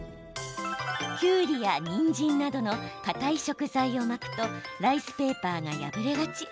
きゅうりや、にんじんなどのかたい食材を巻くとライスペーパーが破れがち。